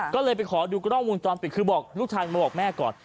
ก็เลยไปขอดูกล้องวงจรปิดคือบอกลูกชายมาบอกแม่ก่อน